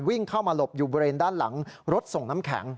วิ่งเข้ามาหลบอยู่บริเวณด้านหลังรถส่งน้ำแข็ง